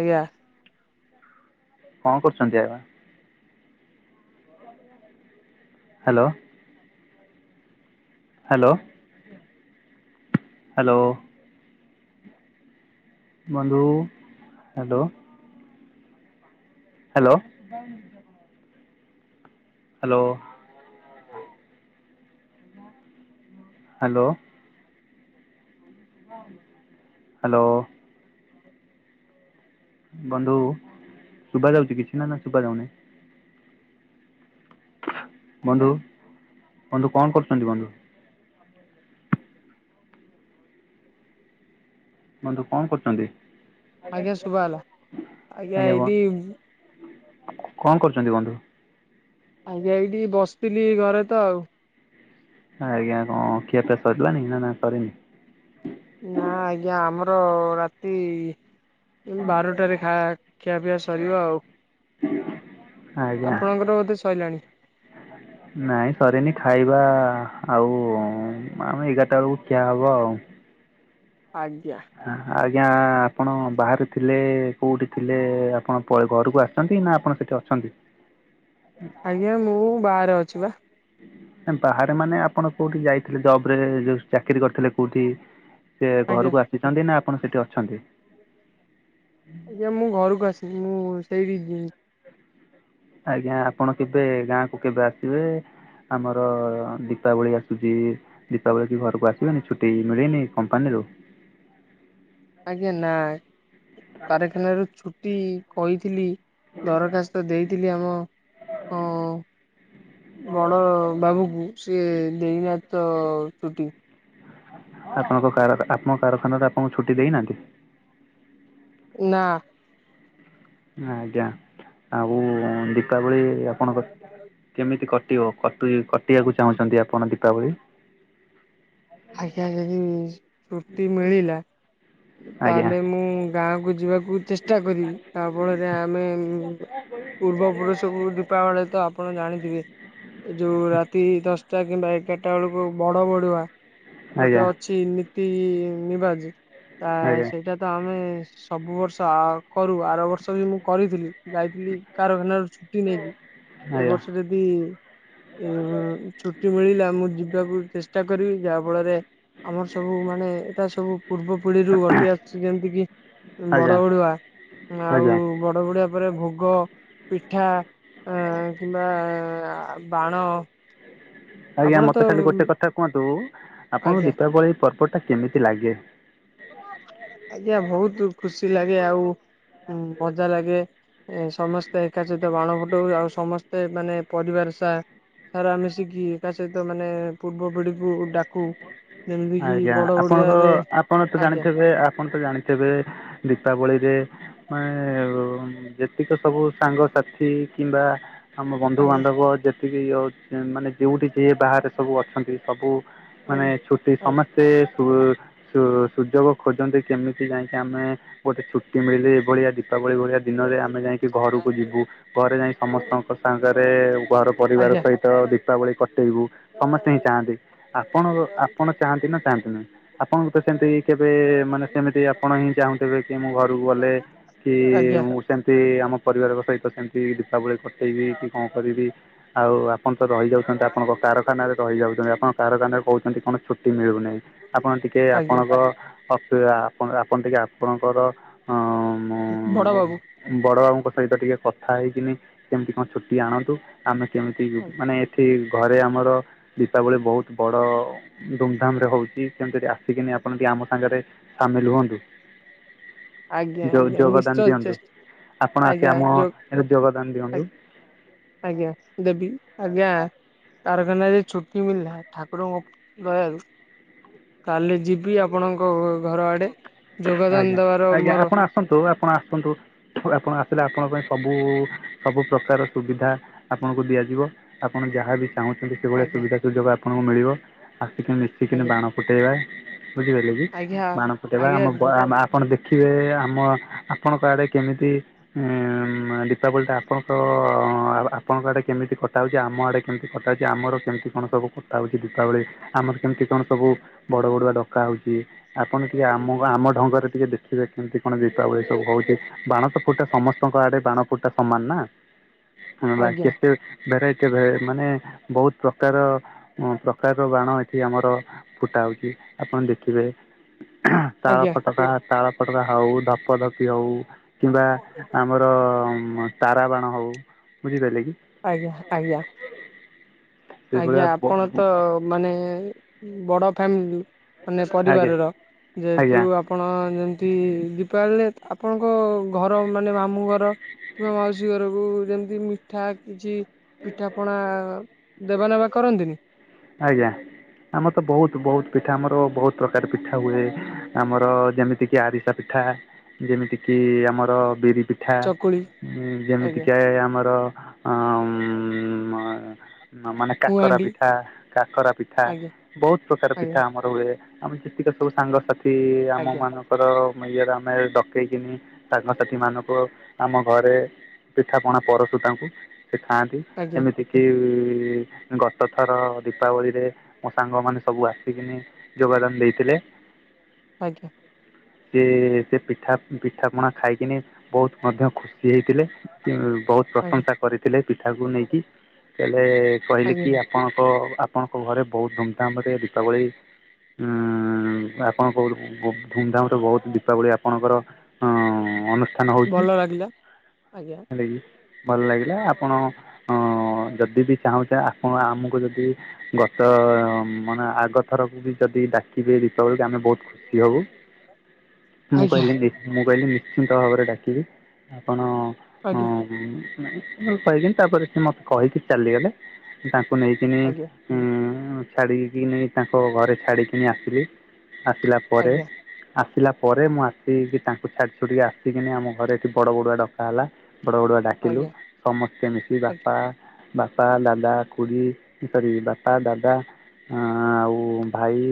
ଆଜ୍ଞା। କଣ କରୁଛନ୍ତି ଆବା? [inaudible] ହ୍ୟାଲୋ। Hello, hello. ବନ୍ଧୁ hello. Hello. [inaudible] Hello. Hello. Hello. ବନ୍ଧୁ ଶୁଭା ଯାଉଛି କିଛି ନା ନା ଶୁଭା ଯାଉନି? ବନ୍ଧୁ ବନ୍ଧୁ କଣ କରୁଛନ୍ତି ବନ୍ଧୁ? [inaudible] ବନ୍ଧୁ କଣ କରୁଛନ୍ତି ଆଜ୍ଞା ଶୁଭା ହେଲା ଆଜ୍ଞା ଆଜ୍ଞା ବ ଏଇଠି କଣ କରୁଛନ୍ତି ବନ୍ଧୁ? ଆଜ୍ଞା ଏଇଠି ବସିଥିଲି ଘରେ ତ ଆଉ। ଆଜ୍ଞା କଣ ଖିଆ ପିଆ ସରିଲାନି ନା ନା ସରିନି? ନା ଆଜ୍ଞା ଆମର ରାତି ବାରଟାରେ ଖା ଖିଆପିଆ ସରିବ ଆଉ ଆଜ୍ଞା ଆପଣଙ୍କର ବୋଧେ ସଇଲାଣି? ଆ [inaudible] ନାଇଁ ସରିନି ଖାଇବା ଆଉ ଆମେ ଏଗାରଟା ବେଳକୁ ଠିଆ ହବ ଆଉ। ଆଜ୍ଞା। ଆଜ୍ଞା ଆପଣ ବାହାରେ ଥିଲେ, କେଉଁଠି ଥିଲେ ଆପଣ ଘରକୁ ଆସ ଅଛନ୍ତି ନା ଆପଣ ସେଠି ଅଛନ୍ତି? ଆଜ୍ଞା ମୁଁ ବାହାରେ ଅଛି ବା। ବାହାରେ ମାନେ ଆପଣ କୋଉଠି ଯାଇଥିଲେ ଜବ ରେ ଯୋଉ ଚାକିରି କରିଥିଲେ କୋଉଠି ସେ ଆଜ୍ଞା। ଘରକୁ ଆସିଛନ୍ତି ନା ଆପଣ ସେଠି ଅଛନ୍ତି? ଆଜ୍ଞା ମୁଁ ଘରକୁ ଆସିିବି ମୁଁ ସେଇଠି [unintelligible] ଆଜ୍ଞା ଆପଣ କେବେ ଗାଁକୁ କେବେ ଆସିବେ? ଆମର ଦୀପାବଳି ଆସୁଛି। ଦୀପାବଳ କି ଘରକୁ ଆସିବେନି ଛୁଟି ମିଳେନି କମ୍ପାନୀରୁ? ଆଜ୍ଞା ନାାଇ କାରଖାନାରୁ ଛୁଟି କହିଥିଲି ଦରଖାସ୍ତ ଦେଇଥିଲି ଆମ ବଡ଼ ବାବୁଙ୍କୁ ସିଏ ଦେଇନାଥ ଚୁଟି। ଆପଣଙ୍କ କାର ଆପଣଙ୍କ କାରଖାନାାରେ ଆପଣଙ୍କୁ ଛୁଟି ଦେଇନାହାନ୍ତି। ନା ଆଜ୍ଞା, ଆଉ ଦୀପାବଳି ଆପଣଙ୍କ କେମିତି କଟିବ କ କଟିବାକୁ ଚାହୁଁଛନ୍ତି ଆପଣ ଦୀପାବଳି? ଆଜ [unintelligible] ଚଛୁଟି ମିଳିଲା ଆଜ୍ଞା ତାହେଲେ ମୁଁ ଗାଁକୁ ଯିବାକୁ ଚେଷ୍ଟା କରିବି। ତା ଫଳରେ ଆମେ ପୂର୍ବପୁରୁଷକୁ ଦୀପାବଳି ତ ଆପଣ ଜାଣିଥିବେ। ଯୋଉ ରାତି ଦଶଟା କିମ୍ବା ଏଗାରଟା ବେଳକୁ ବଡ ବଢୁଆ ଗୋଟେ ଆଜ୍ଞା ଅ ଅଛି ନୀତି ନିବାଜ ତା ଆଜ୍ଞା ସେଇଟା ତ ଆମେ ସବୁ ବର୍ଷ କରୁ ଆର ବର୍ଷ ବି ମୁଁ କରିଥିଲି। ଯାଇଥିଲି କାରଖାନାରୁ ଛୁଟି ନେଇକି। ଏ ଆଜ୍ଞା ବର୍ଷ ଯଦି ଛୁଟି ମିଳିଲା ମୁଁ ଯିବାକୁ ଚେଷ୍ଟା କରିବି ଯାହା ଫଳରେ ଆମର ସବୁ ମାନେ ଏଇଟା ସବୁ ପୂର୍ବ ଖୁଡିରୁ ଗୋଟିଏ ଆସିଛି ଯେମିତି କି ଆଜ୍ଞା ବଡ ବଡୁଆ ଆଉ ଆଜ୍ଞା ବଡ ବଡିଆ ତାପରେ ଭୋଗ ପିଠା କିମ୍ବା ବାଣ ଆଜ୍ଞା ଆପଣ ତ ମତେ ଖାଲି ଗୋଟେ କଥା କୁହନ୍ତୁ ଆପଣଙ୍କୁ ଆଜ୍ଞା। ଦୀପାବଳି ପର୍ବ ଟା କେମିତି ଲାଗେ? ଆଜ୍ଞା ବହୁତ ଖୁସି ଲାଗେ ଆଉ ମଜା ଲାଗେ। ସମସ୍ତେ ଏକା ସହିତ ବାଣ ଫୁଟଉ ଆଉ ସମସ୍ତେ ମାନେ ପରିବାର ସା ସାର ଆମେ ଶିଖି ତା ସହିତ ମାନେ ପୂର୍ବ ପିଢିକୁ ଡାକୁ। ଯେମିତି କିି ଆଜ୍ଞା ବଡ ଆପଣ ତ ଓଡିଆରେ ଆପଣ ତ ଆଜ୍ଞା ଜାଣିଥିବେ ଆପଣ ତ ଜାଣିଥିବେ ଦୀପାବଳିରେ ମାନେ ଯେତିକି ସବୁ ସାଙ୍ଗସାଥି କିମ୍ବା ଆମ ଆଜ୍ଞା ବନ୍ଧୁବାନ୍ଧବ ଯେତିକି ମାନେ ଯଉଠି ଯିଏ ବାହାରେ ସବୁ ଅଛନ୍ତି ସବୁ ମାନେ ଆଜ୍ଞା ଛୁଟି ଆଜ୍ଞା ସମସ୍ତେ ସୁ ସୁଯୋଗ ଖୋଜନ୍ତି କେମିତି ଯାଇକି ଆମେ ଗୋଟେ ଛୁଟି ମିଳିଲି ଏଇଭଳିଆ ଦୀପାବଳି ଭଳିଆ ଦିନରେ ଆମେ ଯାଇକି ଘରକୁ ଯିବୁ। ଘରେ ଯାଇ ସମସ୍ତଙ୍କ ସାଙ୍ଗରେ ଘର ପରିବାର ଆଜ୍ଞା। ସହିତ ତ ଦୀପାବଳି କଟେଇବୁ ସମସ୍ତେ ହିଁ ଚାହାନ୍ତି। ଆପଣ ଆପଣ ଚାହାନ୍ତି ନା ଚାହାନ୍ତିନହି? ଆପଣଙ୍କୁ ତ ସେମିତି କେବେ ମାନେ ସେମିତି ଆପଣ ହିଁ ଚାହୁଁଥିବେ କି ମୁଁ ଘରକୁ ଗଲେ କି ମୁଁ ଆଜ୍ଞା ସେମତି ଆମ ପରିବାର ସହିତ ସେମତି ଦୀପାବଳି କଟେଇବି କି କଣ କରିବି? ଆଉ ଆପଣ ତ ରହି ଯାଉଛନ୍ତି ଆପଣଙ୍କ କାରଖାନାରେ ରହି ଯାଉଛନ୍ତି ଆପଣଙ୍କ କାରଖାନାରେ କହୁଛନ୍ତି କଣ ଛୁଟି ମିଳୁନାହିଁ ଆପଣ ଟିକେ ଆଜ୍ଞା ଆପଣଙ୍କ ଅ ପଣ ଆପଣ ଟିକେ ଆପଣଙ୍କର ଅଁ ମ ବଡ଼ ବାବୁ। ବଡ଼ ବାବୁଙ୍କ ସହିତ ଟିକେ କଥା ହେଇକିନି କେମିତି କଣ ଛୁଟି ଆଣନ୍ତୁ। ଆମେ କେମିତି ମାନେ ଏଠି ଆଜ୍ଞା ଘରେ ଆମର ଦୀପାବଳି ବହୁତ ବଡ଼ ଧୁମଧାମ୍ ରେ ହଉଚି କେମତିରି ଆସିକିନି ଆପଣ ଟିକେ ଆମ ସାଙ୍ଗରେ ସାମିଲ ହୁଅନ୍ତୁ। ଯୋ ଆଜ୍ଞା ଯୋଗଦାନ ନିଶ୍ଚୟ ଦିଅନ୍ତୁ ଚେଷ୍ଟା ଆପଣ ଆସି ଆଜ୍ଞା ଆମ ଯୋ ଏଠି ଯୋଗଦାନ ଦିଅନ୍ତୁ। ଆଜ୍ଞା ଦେବି ଆଜ୍ଞା। କାରଖାନାରେ ଛୁ୍ଟି ମିଳିଲା ଠାକୁରଙ୍କ ଦୟାରୁୁ କାଲି ଯିବି ଆପଣଙ୍କ ଘ ଘର ଆଡ଼େ ଯୋଗଦାନ ଦବାର ମୋର ସନ୍ତୁ ଆପଣ ଆସନ୍ତୁ ଆପଣ ଆସିଲେ ଆପଣଙ୍କ ପାଇଁ ସବୁ ସବୁ ପ୍ରକାର ସୁବିଧା ଆପଣଙ୍କୁ ଦିଆଯିବ ଆପଣ ଯାହାବି ଚାହୁଁଛନ୍ତି। ସେଭଳିଆ ଆଜ୍ଞା ସୁବିଧା ସୁଯୋଗ ଆପଣଙ୍କୁ ମିଳିବ ଆସିକି ମିଶିକିନି ଆଜ୍ଞା ବାଣ ଫୁଟେଇବା ବୁଝିପାଇଲେ ଇ? ଇ ଆଜ୍ଞା ବାଣ ଫୁଟେଇବା ଆଜ୍ଞା ଆମ ବ ଆଜ୍ଞା ଆପଣ ଦେଖିବେ ଆମ ଆପଣଙ୍କ ଆଡ଼େ କେମିତି ଉଁ ମା ଦୀପାବଳି ତ ଆପଣଙ୍କ ଆପଣଙ୍କ ଆଡ଼େ କେମିତି କଟା ହଉଚି ଆମ ଆଡ଼େ କେମତି କଟା ହଉଚି ଆମର କେମତି କଣ ସବୁ କଟା ହଉଚି ଦୀପାବଳି ଆମର କେମତି କଣ ସବୁ ବଡ଼ ବଡ଼ୁଆ ଡକା ହଉଚି ଆପଣ ଟିକେ ଆମ ଗା ଆମ ଢଙ୍ଗରେ ଟିକେ ଦେ ଖିବେ କେମିତି କଣ ଦୀପାବଳି ସବୁ ହଉଚି ବାଣ ତ ଫୁଟା ସମସ୍ତଙ୍କ ଆଡ଼େ ବାଣ ଫୁଟା ସମାନ ନାଁ। ହଁ ବା କେତେ ଭେରାଇଟି ଭେ ମାନେ ବହୁତ ପ୍ରକାର ଅଁ ପ୍ରକାରର ବାଣ ଏଠି ଆମର ଫୁଟା ହଉଚି ଆପଣ ଦେଖିବେ ତାଳ ଆଜ୍ଞା ତକା ତାଳ ଫଟକା ହଉ ଧପ ଧପି ହଉ। କିମ୍ବା ଆମର ତାରା ବାଣ ହଉ, ବୁଝିପାଇଲେ କି? ଆଜ୍ଞା ଆଜ୍ଞା। ଆଜ୍ଞା ସେଇଭଳିଆ ଆପଣ ତ ମାନେ ବଡ଼ ଫ୍ୟାମିଲ୍ ମାନେ ଆଜ୍ଞା ପରିବାରର ଯେହେତୁ ଆଜ୍ଞା ଆ ପଣ ଯେମିତି ଦୀପାବଳିରେ ଆପଣଙ୍କ ଘର ମାନେ ମାମୁଁ ଘର କିମ୍ବା ମାଉସୀ ଘରକୁ ଯେମିତି ମିଠା କିଛି ପିଠା ପଣା ଦେବା ନେବା କରନ୍ତିନି? ଆଜ୍ଞା ଆମର ତ ବହୁତ ବହୁତ ପିଠା ଆମର ବହୁ ପ୍ରକାର ପିଠା ହୁଏ ଆମର ଯେମିତି କି ଆରିସା ପିଠା। ଯେମିତି କିି ଆମର ବିରି ପିଠା ଚକୁଳି ଆଜ୍ଞା ଯେମିତିକା ଆମର ଅଁ ଉଁ ମ ମାନେ କାକରା ମୁହାଣ୍ଡି ପିଠା। ଖରା ପିଠା ଆଜ୍ଞା ବହୁତ ପ୍ରକାର ପିଠା ଆଜ୍ଞା ଆମର ହୁଏ ଆମେ ଯେତିକ ସବୁ ସାଙ୍ଗସାଥି ଆମ ଆଜ୍ଞା ମାନ କର ମ ଇଏରେ ଆମେ ଡକେଇକିନି ସାଙ୍ଗସଥିମାନଙ୍କୁ ଆମ ଘରେ ପିଠାପଣା ପରଶୁ ତାଙ୍କୁ ସେ ଖାଆନ୍ତି ଆଜ୍ଞା ଏମିତିକି ଗତ ଥର ଦୀପାବଳିରେ ମୋ ସାଙ୍ଗମାନେ ସବୁ ଆସିକିନି ଯୋଗଦାନ ଦେଇଥିଲେ। ଆଜ୍ଞା। ସିଏ ସେ ପିଠା ପିଠା ପଣା ଖାଇକିନି ବହୁତ ମଧ୍ୟ ଖୁସି ହେଇଥିଲେ। ତି ବହୁତ ଆଜ୍ଞା ପ୍ରଶଂସା କରିଥିଲେ ପିଠାକୁ ନେଇକି ଚେଳେ କହିଲେ କି ଆଜ୍ଞା ଆପଣ କ ଆପଣଙ୍କ ଘରେ ବହୁତ ଧୁମଧାମ୍ ରେ ଦୀପାବଳି ଉଁ ଉଁ ଆପଣଙ୍କ ଓ ଧୁମଧାମ୍ ରେ ବହୁତ ଦୀପାବଳି ଆପଣଙ୍କର ଅଁ ଅନୁ ଠାନ ହଉଚି ଭଲ ଲାଗିଲା ଆଜ୍ଞା ହେଲା କି। ଭଲ ଲାଗିଲା ଆପଣ ଅ ଯଦି ବି ଚାହୁଁଚେ ଆପଣ ଆମୁକୁ ଯଦି ଗତ ମାନେ ଆଗ ଥରକୁ ବି ଯଦି ଡାକିବେ ଦୀପାବଳକୁ ଆମେ ବହୁତ ଖୁସି ହବୁ। ମୁଁ ଆଜ୍ଞା କହିଲି ମୁଁ କହିଲି ନିଶ୍ଚିନ୍ତ ଭାବରେ ଡାକିବି। ଆପଣ ଆଜ୍ଞା। ହୁଁ କହିକିନି ତାପରେ ସେ ମତେ କହିକି ଚାଲିଗଲେ ତାଙ୍କୁ ନେଇକିନି ଆଜ୍ଞା ଉଁ ଛାଡିକିନେ଼ଇ ତାଙ୍କ ଘରେ ଛାଡିକିନି ଆସିଲି ଆସିଲା ପରେ ଆଜ୍ଞା ଆସିଲା ପରେ ମୁଁ ଆସିକି ତାଙ୍କୁ ଛାଡି ଛୁଡିକି ଆସିକିନି ଆମ ଘରେ ଏଠି ବଡ ବଡୁଆ ଡକା ହେଲା। ବଡ ବଡୁଆ ଡାକିଲୁ ଆଜ୍ଞା ସମସ୍ତେ ମିଶି ଆଜ୍ଞା ବାପା ବାପା ଦାଦା ଖୁଡ଼ି ସରି ବାପା ଦାଦା ଆ ଆଉ ଭାଇ।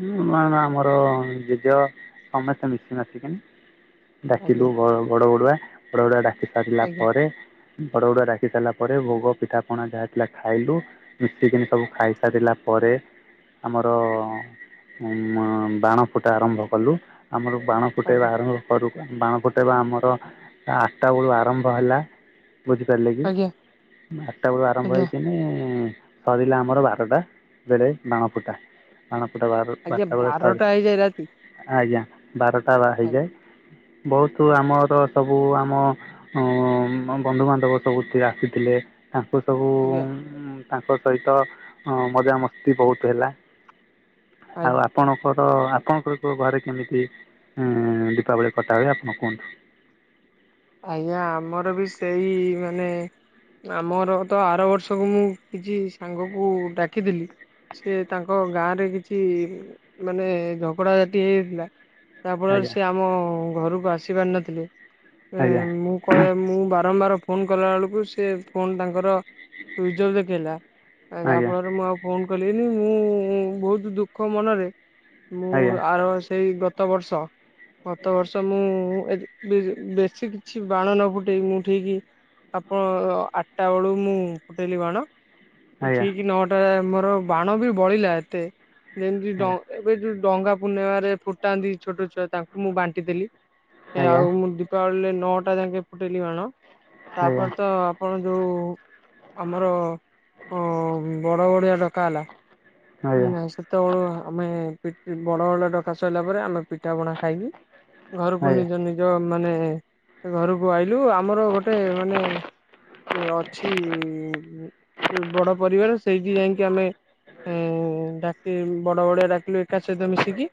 ହଁ ମ ମ ଆମର ଜେଜ ସମସ୍ତେ ମିଶି ମାସିକିନି ଡାକିଲୁ ବ ବଡ ବଡୁଆ ବଡ଼ ବଡୁଆ ଡାକି ସାରିଲା ଆଜ୍ଞା ଆଜ୍ଞା ପରେ ବଡ ବଡୁଆ ଡାକି ସାରିଲା ପରେ ଭୋଗ ପିଠା ପଣା ଯାହା ଥିଲା ଖାଇଲୁ। ମିଶିକିନି ସବୁ ଖାଇସାରିଲା ପରେ ଆମର ଅମ ବାଣ ଫୁଟା ଆରମ୍ଭ କଲୁ। ଆମର ବାଣ ଫୁ ଫୁଟାଇବା ଆଜ୍ଞା ଆରମ୍ଭ କରୁ। ବାଣ ଫୁଟାଇବା ଆମର ଆଠଟା ବେଳୁ ଆରମ୍ଭ ହେଲା। ବୁଝିପାରିଲେ କି ଆଜ୍ଞା ଆଠଟା ବେଳକୁ ଆରମ୍ଭ ଆଜ୍ଞା ହେଇକିନି ସରିଲା ଆମର ବାରଟା ବେଳେ ବାଣ ଫୁଟା। ବାଣଫୁଟା ବାର ଆଜ୍ଞା ବାରଟା ବେଳେ ସରି ହେଇଯାଏ ରାତି ଆଜ୍ଞା ବାରଟା ବା ଆଜ୍ଞା ହେଇଯାଏ। ବହୁତ ଆମର ସବୁ ଆମ ଉ ବନ୍ଧୁବାନ୍ଧବ ସବୁ ଆସିଥିଲେ ତାଙ୍କୁ ସବୁ ଆଜ୍ଞା ତାଙ୍କ ସହିତ ଅ ମଜାମସ୍ତି ବହୁତ ହେଲା। ଆଉ ଆଜ୍ଞା ଆ ଆପଣଙ୍କର ଆପଣଙ୍କର ଯୋଉ ଘରେ କେମିତି ଇଁ ଦୀପାବଳି କଟା ହୁଏ ଆପଣ କୁହନ୍ତୁ? ଆଜ୍ଞା ଆମର ବି ସେଇ ମାନେ ଆମର ତ ଆର ବର୍ଷକୁ ମୁଁ କିଛି ସାଙ୍ଗକୁ ଡାକିଥିଲି। ସେ ତାଙ୍କ ଗାଁ ରେ କିଛି ମାନେ ଝଗଡା ଜାଟି ହେଇଯାଇଥିଲା। ଯହାଫଳରେ ଆଜ୍ଞା ସେ ଆମ ଘରକୁ ଆସିପାରିନଥିଲେ। ଆଜ୍ଞା। କ ମୁଁ ବାରମ୍ବାର ଫୋନ କଲାବେଳକୁ ସେ ଫୋନ ତାଙ୍କର ସୁଇଯ ଅଫ୍ ଦେଖେଇଲା ଯାହା ଆଜ୍ଞା ଆଜ୍ଞା ଫଳରେ ମୁଁ ଆଉ ଫୋନ କଲିନି ମୁଁ ବହୁତ ଦୁଃଖ ମନରେ ମୁଁ ଆଜ୍ଞା ଆର ସେଇ ଗ ଗତ ବର୍ଷ ଗତ ବର୍ଷ ମୁଁ ଏଦ ବିଜ୍ ବେସ୍ ସେ କିଛି ବାଣ ନ ଫୁଟେଇ ମୁଁ ଉଠେଇକି ଆପଣ ଆଠଟା ବେଳୁ ମୁଁ ଫୁଟେଇଲି ବାଣ। ଏ ଆଜ୍ଞା ଠିକ ନଅଟା ମୋର ବାଣ ବି ବଳିଲା ଏତେ। ଯେମିତି ଡ ଆଜ୍ଞା ଏବେ ଯୋଉ ଡଙ୍ଗା ପୂର୍ଣ୍ଣିମାରେ ଫୁଟାନ୍ତି ଛୋଟ ଛୁଆ ତାଙ୍କୁ ମୁଁ ବାଣ୍ଟି ଦେଲି ଆଜ୍ଞା ଆଉ ମୁଁ ଦୀପାବଳିରେ ନଅଟା ଯାଙ୍କେ ଫୁଟେଇଲି ବାଣ। ତାପରେ ଆଜ୍ଞା ତ ଆପଣ ଯେଉଁ ଆମର ଅଁ ବଡ଼ ବଡୁଆ ଡକା ହେଲା। ହୁଁ ନାଇଁ ସେତେବେଳୁ ଆମେ ପିଟ୍ ବଡ ବଡୁଆ ଡକା ସଇଲା ପରେ ଆମେ ପିଠା ପଣା ଖାଇକି ଘରକୁ ଆଜ୍ଞା ନିଜ ନି ଯ ମାନେ ଘରକୁ ଆଇଲୁ ଆମର ଗୋଟେ ମାନେ ଅଛି ବଡ ପରିବାର ସେଇଠି ଯାଇକି ଆମେ ହୁଁ ଡାକି ବଡ ବଡୁଆ ଡାକିଲୁ ଏକା ସହିତ ମିଶିକି।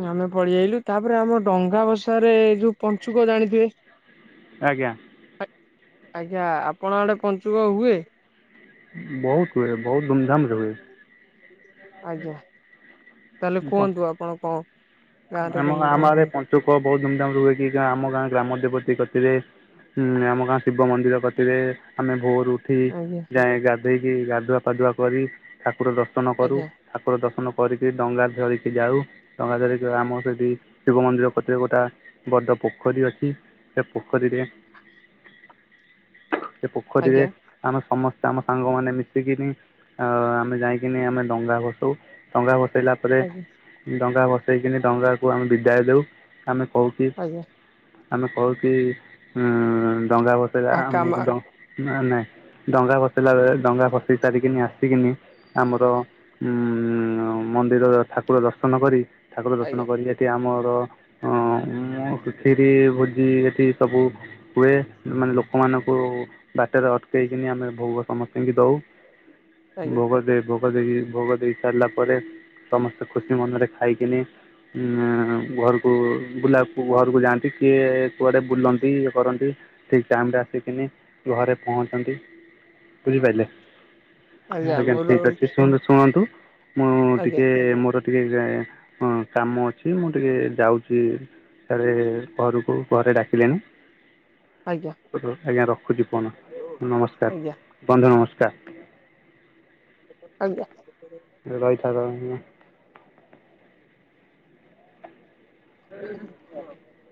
ଉଁ ଆମେ ପଳୀଆଇଲୁ ତାପରେ ଆମ ଡଙ୍ଗା ଭସାରେ ଯୋଉ ପଞ୍ଚୁକ ଜାଣିଥିବେ। ଆଜ୍ଞା। ଆ ଆଜ୍ଞା ଆପଣଙ୍କ ଆଡେ ପଞ୍ଚୁକ ହୁଏ? ବହୁତ ହୁଏ ବହୁତ ଧୁମଧାମରେ ହୁଏ। ଆଜ୍ଞା ତାହେଲେ ହୁଏ କୁହନ୍ତୁ ଆପଣ କଁ ଆମ ଆମ ଆଡ଼େ ପଞ୍ଚୁକ ବହୁ ଧୁମଧାମ୍ ରେ ହୁଏ କି ଗାଁ ଆମ ଗାଁ ଗ୍ରାମ ଦେବତୀ କତିରେ ଉଁ ଆମ ଗାଁ ଶିବ ମନ୍ଦିର କତିରେ ଆମେ ଭୋରୁ ଠି ଆଜ୍ଞା ଯାଏଁ ଗାଧେଇକି ଗାଧୁଆ ପାଧୁଆ କରି ଠାକୁର ଦର୍ଶନ କରୁ। ଆଜ୍ଞା ଠାକୁର ଦର୍ଶନ କରିକି ଡଙ୍ଗା ଧରିକି ଯାଉ ଡଙ୍ଗା ଧରି ଯୋଉ ଆମ ସେଠି ଶିବ ମନ୍ଦିର କତିରେ ଗୋଟା ବଡ଼ ପୋଖରୀ ଅଛି। ସେ ପୋଖରୀ ଟି ସେ ପୋଖରୀରେ ଆଜ୍ଞା ଆମେ ସମସ୍ତେ ଆମ ସାଙ୍ଗମାନେ ମିଶିକିନି ଆଉ ଆମେ ଯାଇକିନି ଆମେ ଡଙ୍ଗା ଭସଉ ଡଙ୍ଗା ଭସେଇଲା ପରେ ଆଜ୍ଞା ଡଙ୍ଗା ଭସେଇକିନି ଡଙ୍ଗାକୁ ଆମେ ବିଦାୟ ଦେଉ ଆମେ କହୁ କି ଆଜ୍ଞା ଆମେ କହୁକି ଉଁ ଡଙ୍ଗା ଭସେଇଲା ଆ କାମ ଆମ ଡ ନାଁ ନେ ଡଙ୍ଗା ଭସେଇଲା ବେଳେ ଡଙ୍ଗା ଭସେଇ ସାରିକିନି ଆସିକିନି ଆମର ଉଁ ମନ୍ଦିର ଠାକୁର ଦର୍ଶନ କରି ଠାକୁର ଦର୍ଶନ ଆଜ୍ଞା କରିକି ଆ ଠି ଆମର ଅଁ ମୁ ଖିରି ଭୋଜି ହେଠି ସବୁ ହୁଏ ମାନେ ଲୋକମାନଙ୍କୁ ବାଟରେ ଅଟକେଇକିନି ଆମେ ଭୋଗ ସମସ୍ତିଙ୍କି ଦଉ। ଆଜ୍ଞା ଭୋଗ ଦେଇ ଭୋଗ ଦେଇକି ଭୋଗ ଦେଇ ସାରିଲା ପରେ ସମସ୍ତେ ଖୁସି ମନରେ ଖାଇ କିନି ଉଁ ଆ ଘରୁକୁ ବୁଲାକୁ ଘରୁକୁ ଯାଆନ୍ତି କିଏ କୁଆଡ଼େ ବୁଲନ୍ତି ଇଏ କରନ୍ତି। ଠିକ୍ ଟାଇମ୍ ରେ ଆସିକିନି ଘରେ ପହଞ୍ଚନ୍ତି ବୁଝିପାଇଲେ। ଆଜ୍ଞା ଠିକ୍ ଅଛି ଶୁନ୍ତୁ ଶୁଣନ୍ତୁ ମୁଁ ଆଜ୍ଞା ଟିକେ ମୋର ଟିକେ ହଁ କାମ ଅଛି ମୁଁ ଟିକେ ଯାଉଚି। ସ୍ୟାଡ଼େ ଘରୁକୁ ଘରେ ଡାକିଲେଣି। ଆଜ୍ଞା। ଉତୁ ଆଜ୍ଞା ରଖୁଚି ଫୋନ ଆଜ୍ଞା ନମସ୍କାର ବନ୍ଧୁ ନମସ୍କାର। ଆଜ୍ଞା। ରେ ରହିଥାତ ନେ। [inaudible]